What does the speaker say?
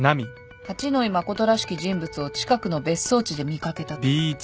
「八野衣真らしき人物を近くの別荘地で見掛けた」と。